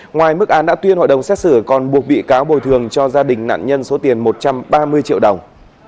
ngoài mức án đã tuyên hội đồng xét xử còn buộc bị cáo bồi thường cho gia đình nạn nhân số tiền một trăm ba mươi triệu đồng